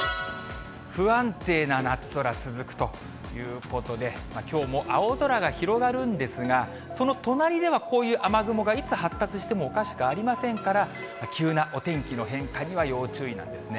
不安定な夏空続くということで、きょうも青空が広がるんですが、その隣ではこういう雨雲がいつ発達してもおかしくありませんから、急なお天気の変化には要注意なんですね。